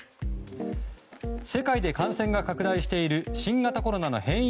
世界で感染が拡大している新型コロナの変異